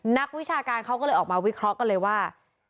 นักวิชาการเขาก็เลยออกมาวิเคราะห์กันเลยว่า